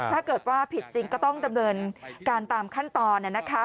ถ้าเกิดว่าผิดจริงก็ต้องดำเนินการตามขั้นตอน